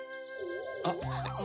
あっ。